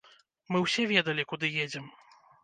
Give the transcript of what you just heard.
Мы ўсе ведалі, куды едзем.